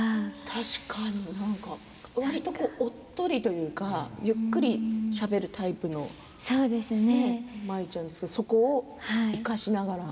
確かにおっとりというかゆっくりしゃべるタイプのね舞ちゃんですけどそこを生かしながら。